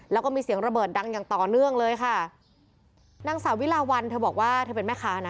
แล้วก็มีเสียงระเบิดดังอย่างต่อเนื่องเลยค่ะนางสาวิลาวันเธอบอกว่าเธอเป็นแม่ค้านะ